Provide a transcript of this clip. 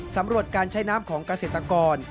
สำหรับการใช้น้ำของเกษตรกร